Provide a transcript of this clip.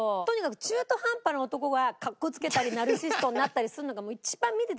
とにかく中途半端な男が格好付けたりナルシストになったりするのが。